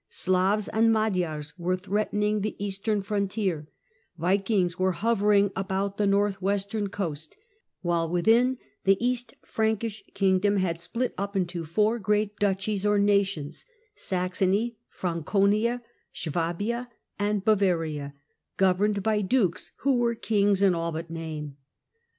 Slavs and Magyars were threatening the Eastern frontier, Vikings were hovering about the North Western coast, Ke within, the East Frankish kingdom had split up 6 THE CENTRAL PERIOD OF THE MIDDLE AGE into four great duchies or " nations," Saxony, Franconia, Swabia and Bavaria, governed by dukes who were kings in all but name.